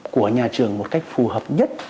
của nhà trường một cách phù hợp nhất